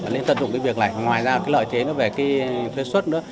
nên tận dụng cái việc này ngoài ra cái lợi thế về thuê xuất nữa